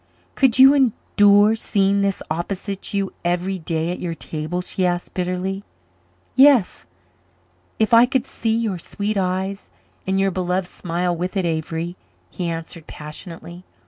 "Could you endure seeing this opposite to you every day at your table?" she asked bitterly. "Yes if I could see your sweet eyes and your beloved smile with it, Avery," he answered passionately.